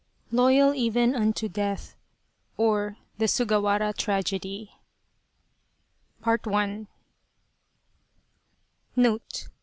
'75 Loyal, Even Unto Death Or The Sugawara Tragedy M NOTE.